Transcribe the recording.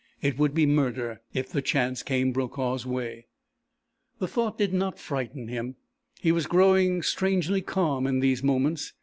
It would be murder if the chance came Brokaw's way. The thought did not frighten him. He was growing strangely calm in these moments.